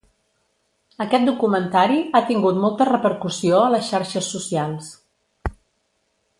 Aquest documentari ha tingut molta repercussió a les xarxes socials.